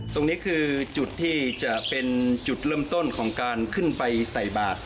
ตรงนี้คือจุดที่จะเป็นจุดเริ่มต้นของการขึ้นไปใส่บาท